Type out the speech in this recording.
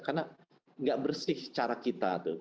karena nggak bersih cara kita tuh